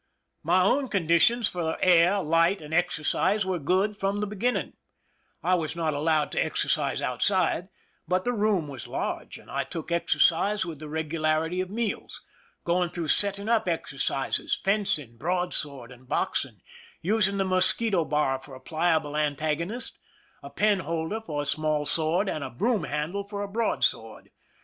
My own conditions for air, light, and exercise were good from the beginning. I was not allowed to exercise outside, but the room was large, and I took exercise with the regularity of meals— going through setting up exercises, fencing, broadsword, and boxing, using the mosquito bar for a pliable antagonist, a penholder for a small sword, and a broom handle for a broadsword.